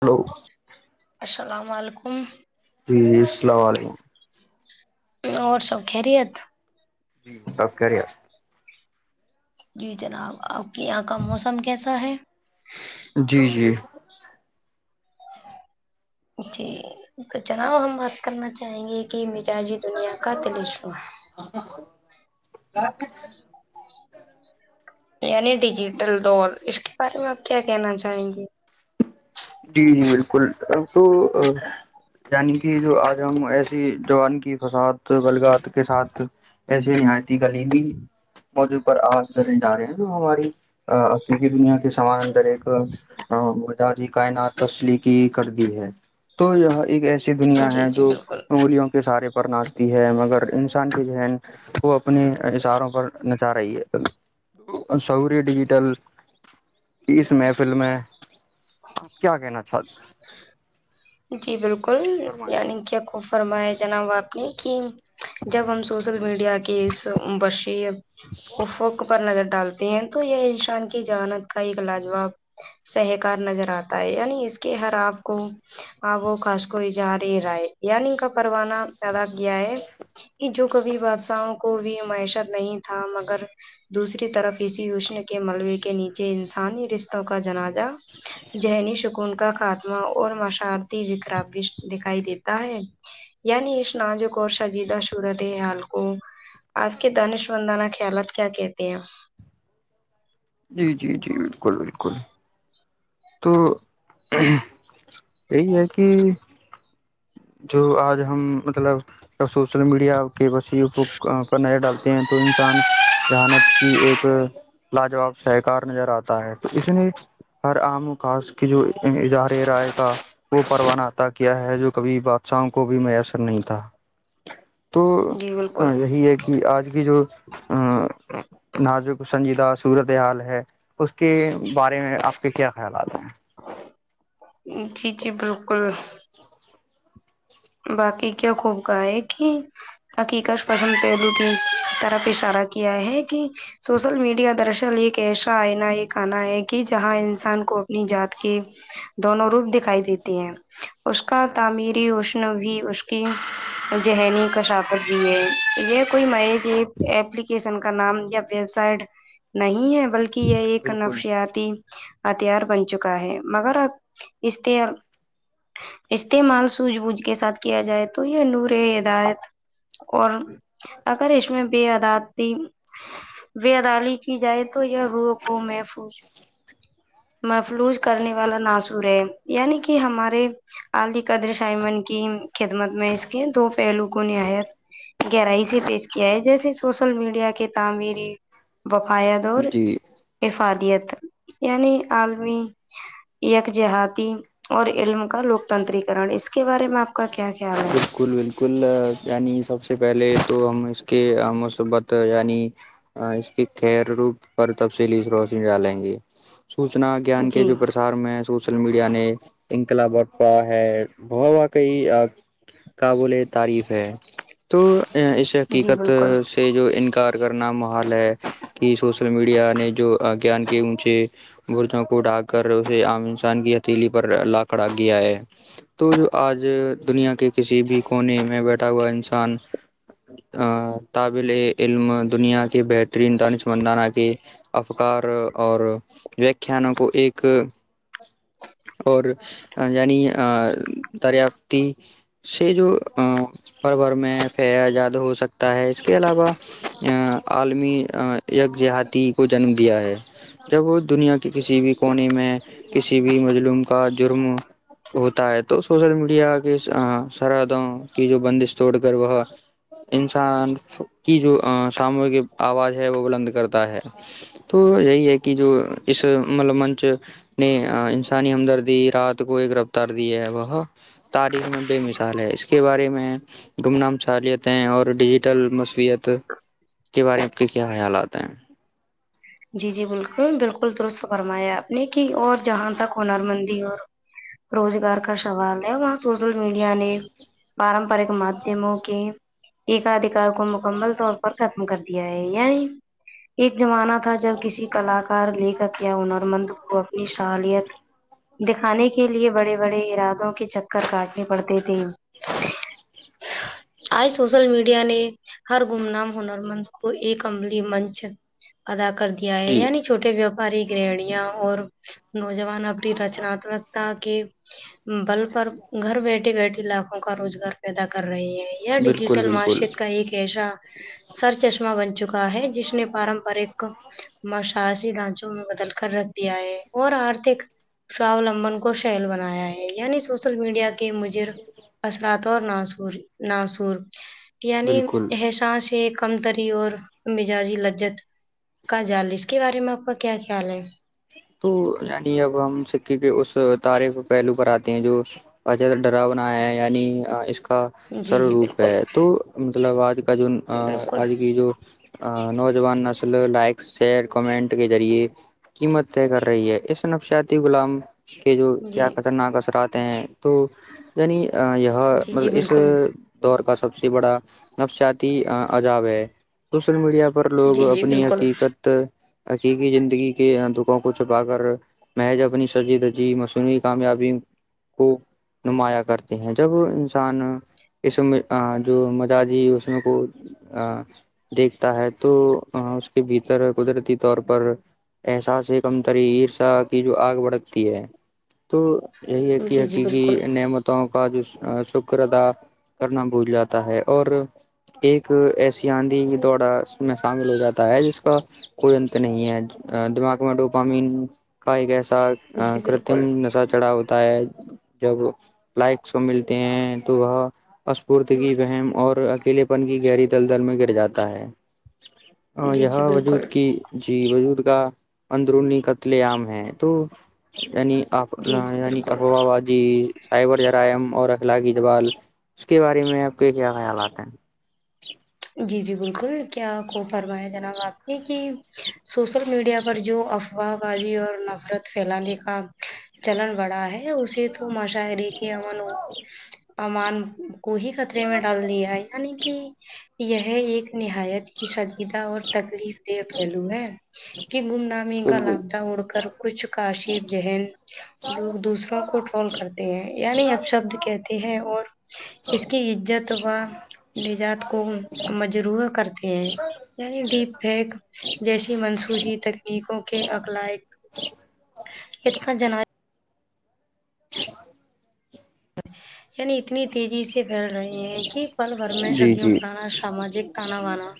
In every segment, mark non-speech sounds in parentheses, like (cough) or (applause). hello السلام علیکم جی السلام علیکم اور سب خیریتھ سب خیریت جی جناب آپ کے یہاں کا موسم کیسا ہے جی جی جی تو جناب ہم بات کرنا چاہیں گے کہ مزاجی دنیا کا تلسمہ ہے ہاں یعنی ڈیجیٹل دور اس کے بارے میں آپ کیا کہنا چاہیں گے جی بالکل تو یعنی کہ جو آج ہم ایسی جوان کی فساد بلگات کے ساتھ (unintelligible) ایسے موجع پر آج ننے جا رہے ہیں تو ہماری عقیق کی دنیا کے سمان اندر ایک ہاں وزادی کائنات تسلیقی کر دی ہے تو یہاں ایک ایسا ایسی دنیا جی ہے جی جو بالکل انگلیوں کے سہارے پرناال ہے مگر انسان کی ذہن وہ اپنے اشاروں پر نچا رہی ہے انصوری ڈیجیٹل اس محفل میں کیا کہنا چاہتی جی بالکل فرمائیں یعنی کیا خوب فرما ہے جناب آپ نے کہ جب ہم سوشل میڈیا کی اس بشی افوق پر نظر ڈالتے ہیں تو یہ انسان کی جہانت کا ایک لاجواب سہکار نظر آتا ہے یعنی اس کے ہر آپ کو آ وہ خاش کو ا جہارے رائے یعان کا پروانہ پیدا کیا ہے جو کبھی بادشاہوں کو بھی معیشت نہیں تھا مگر دوسری طرف اسی اشن کے ملبے کے نیچے انسانی رشتوں کا جنازہ ذہنی سکون کا خاتمہ اور مش ارتی وکرابیش دکھائی دیتا ہے یعنی اس ناجک اور شجیدہ سورت ہے ہال کو آپ کی دانش وندانہ خیالات کیا کہتے ہیں جی جی جی بالکل بالکل تو یہی ہے کہ جو آج ہم مطلب سوشل میڈیا کے وسی پر نظر ڈالتے ہیں تو انسان جہانت کہ ایک لاجواب سہکار نظر آتا ہے تو اس نے ہر آام و کاس کی جو اظہار رائے کا وہ پروانہ عطا کیا ہے جو کبھی بادشاہوں کو بھی میسر نہیں تھا تو جی بالکل یہی ایک کہ آج کی جو آ نازک سنجیدہ صورت حال ہے اس کے بارے میں آپ کے کیا خیالات ہیں جی جی بالکل (inaudible) باقی کیا خوب کا ہے کہ حقیقت پسند پہلو کی طرف اشارہ کیا ہے کہ سوشل میڈیا درشل ایک ایسا آئنا یہ کہنا ہے کہ جہاں انسان کو اپنی جات کے دونوں روپ دکھائی دیتی ہیں اس کا تعمیری اس بھی اس کی ذہنی کاشافت بھی ہے یہ کوئی میج ایک ایپلیکیشن کا نام یا ویب سائٹ نہیں ہے بلکہ یہ ایک بالکل نفشیات تی ہتھیار بن چکا ہے مگر اب اس ط استعمال سوجھ بوجھ کے ساتھ کیا جائے تو یہ نورے ہدایت اور اگر اس میں ب اداتی وے ادال کی جائے تو یہ روح کو محفوظ محفلوظ کرنے والا ناش ترے یعنی کہ ہمارے علی قدر شائمن کی خدمت میں اس کے دو پہلو کو نہایت گہرائی سے پیش کیا ہے جیسے سوشل میڈیا کی تعمری وفایت اور جی افادیت یعنی عالمی یک جہاتی اور علم کا لوکتنتریکن اس کے بارے میں آپ کا کیا خیال بالکل بال کل یعنی سب سے پہلے تو ہم اس کے مصیبت یعنی ہاں اس کی خیر روپ پر تفصیلی اس روشنی ڈالیں گی سوچنا ہے گیان کے جی جو پرسار میں محسوس سوشل میڈیا نے انقلاب (unintelligible) بہت بہت کئی کابل تعریف ہے تو اس جی حقیقت بالکل سے سے جو انکار کرنا محال ہے کی سوشل میڈیا نے جو گیان کے اونچے برجوں کو ڈھا کر اسے عام انسان کی ہتیھیلی پر لا کھڑا گیا ہے تو جو آج دنیا کے کسی بھی کونے میں بیٹھا ہوا انسان آ طابل علم دنیا کے بہترین دانش مندانہ کے افکار اور ویاکھیاانوں کو ایک اور یعنی آ دریافتی سے جو ہر بھر میں پزاد ہو سکتا ہے اس کے علاوہ آ عالمی یک جیہاتی کو جنم دیا ہے جب وہ دنیا کے کسی بھی کونے میں کسی بھی مظلوم کا جرم ہوتا ہے تو سوشل میڈیا کے آ سرحدوں کی جو بندش توڑ کر وہ انسان کی جو آ ساموگی آواز ہے وہ بلند کرتا ہے تو یہی ہے کی جو اس مطلب منچ نہیں انسانی ہمدردی رات کو ایک رفتار دیا ہے وہ تاریخ میں بے مثال ہے اس کے بارے میں گمنام سہلیتیں اور ڈیجیٹل مصویت کے بارے آپ کے کیا خیالات ہیں جی جی بالکل بالکل درست فرمایا آپ نے کی اور جہاں تک ہنر مندی اور روزگار کا سوال ہے وہاں سوشل میڈیا نے پارمپارییک مدھیم کی ایکاد ایکار کو مکمل طور پر ختم کر دیا ہے یعنی ایک زمانہ تھا جب کسی کلاکار لکھاک یا ہر مند کو اپنی سالیت دکھانے کے لیے بڑے بڑے ارادوں کے چکر کاٹنے پڑتے تھے آج سو شل میڈیا نے ہر گم نام ہنر مند کو ایک عملی منچ ادا کیا ہے جی یعنی چھوٹے وپاری گرہنیاں اور نوجوان اپنی رچناتمکتا کے بل پر گھر بیٹے بیٹے لاکھوں کا روزگار پیدا کر رہی ہے یے بالکل ڈیجیٹل بالکل مارشد کا ایک کیسا سر چشمہ بن چکا ہے جس نے پارمپرک مشاسی ڈھانچوں میں بدل کر رکھ دیا ہے اور آرتھک ساولا من کو شین بنایا ہے یعنی سوشل میڈیا کہ مجر اثرات اور ناسور ناسور یعنی بالکل احساس ہے کمتری اور مزاجی لجت کا جال اس کے بارے میں آپ کا کیا خیال ہے تو یعنی اب ہم سکے کے اس تارخف پہلو پر آتے ہیں جو اجت ڈرا بنایا ہے یعنی اس کا سر جی جی روپ بالکل ہے تو مطلب آج کا جو بالکل آج کی جو نوجوان نسل لائک شیئر کمنٹ کے ذریعے قیمت طے کر رہی ہے اس نفشیاتی غلام کے جو جی کیا خطرناک اثرات ہیں تو یعنی یہ جی مطلب جی اس بالکل دور کا سب سے بڑا نفسیاتی عجاب ہے سوشل میڈیا پر لوگ جی جی اپنی بالکل حقیقت تو عکی کی زندگی کے آ ر کو چھپا کر محض اپنی سرجی دجی مصوعی کامیابی کو نمایاں کرتے ہیں جب انسان اس میں جو مزاجی اس میں کو ہاں دیکھتا ہے تو اس کے بھیتر قدرتی طور پر احساس ایک م تری عرشا کی جو آگ بڑکتی ہے تو یہی ایک ہی جی جی ہکی کی بالکل نعمت کا جو شکر ادا کرنا بھول جاتا ہے اور ایک ایسی آندھی دوورہ اس میں شامل ہو جاتا ہے جس کا کوئی انتر نہیں ہے دماغمڈو لوگ سوام کا ایک ایسا جی بالکل کرتم نشہ چڑھا ہوتا ہے جب لائکس کو ملتے ہیں تو وہ اسفورتی کی بم اور اکیلے پن کی گہری تل دل میں گر جاتا ہے ہاں جی جی یہاں وجود بالکل کی جی وجود کا اندرونی قتل عام ہیں تو یعنی جی افوا جی یعنی بالکل افوا وادی سائبر جرائم اور اخلاقی جوال اس کے بارے میں آپ کے کیا خیالات ہیں جی جی بالکل کیا کو فرما ہے جناب آپ نے کہ سوشل میڈیا پر جو ا وا بازی اور نفرت پھیلانے کا چلن بڑا ہے یہ اسے تو مشااہرے کے امن امان کو ہی خطرے میں ڈال دیا ہے یعنی کہ یہ ایک نہایت سجیدہ اور تکلیف دہ پہلو ہے کہ گم نامے کا بالکل لپدہ اڑ کر کچھ کاشف ذہن لوگ دوسروں کو ٹول کرتے ہیں یعنی اب شبد کہتے ہیں اور اس کی عزت و نجات کو مجروح کرتے ہیں یعنی ڈیپ پیک جیسی منصوخی تکنیکوں کے اقلاق (unintelligible) یعنی اتنی تیزی سے پھیل رہے ہیں کہ پل بھر میں جی صدیوں جی پرانا ساماجک تانا وانا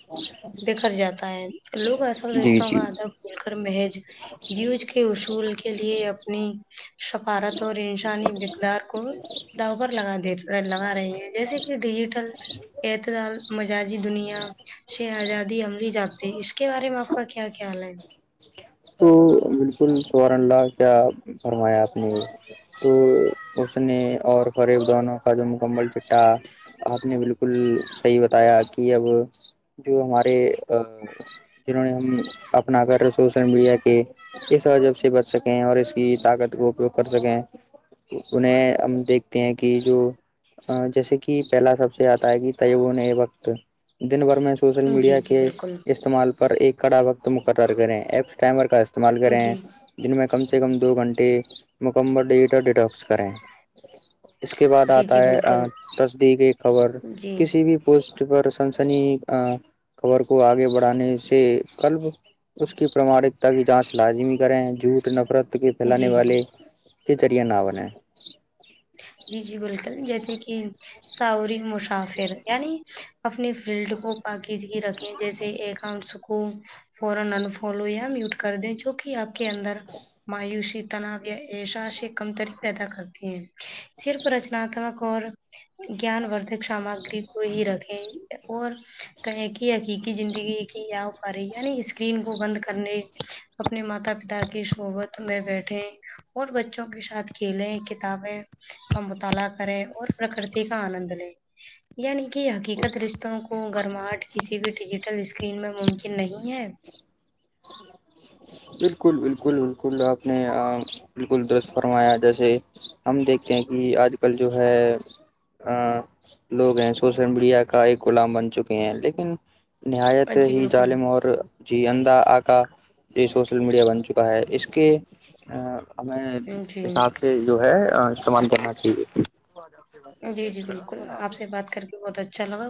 بیکر جاتا ہے لوگ اصل جی رشتوں جی کا ادب کر محج بیوج کے اصول کے کے لیے اپنی سفارت اور انسانی بقدار کو دؤ پر لگا دے لگا رہے ہیں جیسے کہ ڈیجیٹل اعتدال مججی دنیا شہ آزادی عملی جپط اس کے بارے میں آپ کا کیا خیال ہے تو بالکل سبارن اللہ کیا فرمایا آپ نے تو اس نے اور قریب دونوں کا جو مکمل چٹا آپ نے بالکل صحیح بتایا کہ اب جو ہمارے جنہوں نے ہم اپنا کر سوشل میڈیا کے اس وجب سے بچ سکیں اور اس کی طاقت کا اپیوگ کر سکیں انہیں ہم دیکھتے ہیں کہ جو جیسے کہ پہلا سب سے آتا ہے کہ تیبونئے وقت دن بھر میں سوشل جی میڈیا جی کے بالکل استعمال پر ایک کڑا وقت مقرر کریں ایپس ٹائمر کا اس استعمال کریں جی جن میں کم سے کم دو گھنٹے مکمل ڈیجیٹل ڈیٹکس کریں اس کے بعد جی آتا جی ہے بالکل تصدیق خبر جی کسی بھی پوسٹ پر سنسنی خبر کو آگے بڑھانے سے کلب اس کی پراماکتا کی جانچ لازمی کریں جھوٹ نفرت کے پھیلانے جی جی والے کےچرییا نہ بنیں جی جی بالکل جیسے کہ ساوری مسافر یعنی اپنی فیلڈ کو پاکیزگی رکھیں جیسے اکاؤنٹس کو فورن انفالو یا میوٹ کر دیں جو کہ آپ کے اندر مایوسی تناؤ یا ایشا سے کمتری پیدا کرتے ہیں صرف رچناتمک اور جان ودک سامگری کو ہی رکھیں اور کہیں کہ حقیق کی زندگی ایک ہی آ پا رہی یعنی اسکرین کو بند کرنے اپنے ماتا پتا کی شحبت میں بیٹھے اور بچوں کے ساتھ کھیلیں کتابیں کا مطالعہ کرے اور پرکرتی کا آنند لے یعنی کہ حقیقت رشتوں کو گرماہٹ کسی بھی ڈیجیٹل اسکرین میں ممکن نہیں ہے بالکل بالکل بالکل آپ نے بالکل درست فرمایا جیسے ہم دیکھتے ہیں کہ آج کل جو ہے آ لوگ ہیں سوشل میڈیا کا ایک غلام بن چکے ہیں لیکن نہایت جی ہی بالکل ظالم اور جیدا آ کا یہ سوشل میڈیا بن چکا ہے اس کے ہمیں جی حساب ک جو ہے استعمال کرنا چاہیے جی جی بالکل آپ سے بات کر بہت اچھا لگا